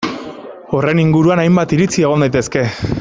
Horren inguruan hainbat iritzi egon daitezke.